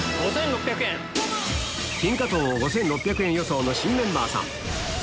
５６００円。